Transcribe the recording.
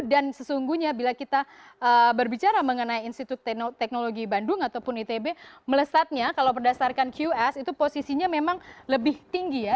dan sesungguhnya bila kita berbicara mengenai institut teknologi bandung ataupun itb melesatnya kalau berdasarkan qs itu posisinya memang lebih tinggi ya